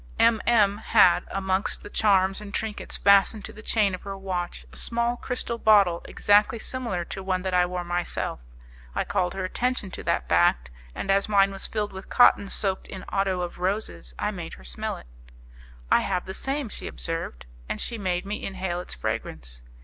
M M had, amongst the charms and trinkets fastened to the chain of her watch, a small crystal bottle exactly similar to one that I wore myself. I called her attention to that fact, and as mine was filled with cotton soaked in otto of roses I made her smell it. "I have the same," she observed. And she made me inhale its fragrance.